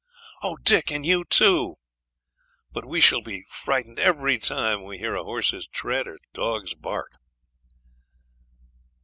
Oh, Dick! and you too. But we shall be frightened every time we hear a horse's tread or dog's bark.'